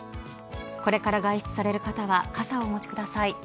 これから外出される方は傘をお待ちください。